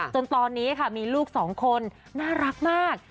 จนตอนนี้ค่ะมีลูกสองคนน่ารักมาก